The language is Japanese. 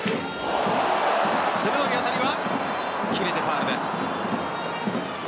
鋭い当たりは切れてファウルです。